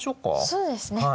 そうですね。